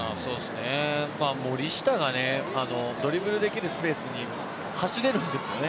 森下がドリブルで来るスペースに走れるんですよね。